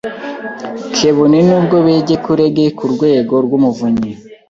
kebone n’ubwo bejye kurege ku Rwego rw’Umuvunyi